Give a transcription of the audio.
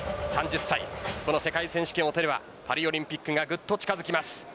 ３０歳、この世界選手権を取ればパリオリンピックがぐっと近づきます。